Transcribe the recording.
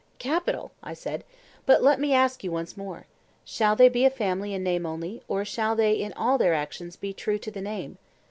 Capital, I said; but let me ask you once more: Shall they be a family in name only; or shall they in all their actions be true to the name?